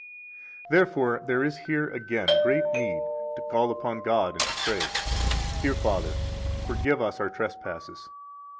88 Therefore there is here again great need to call upon God and to pray: Dear Father, forgive us our trespasses.